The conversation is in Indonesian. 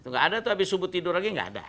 gak ada tuh abis subuh tidur lagi gak ada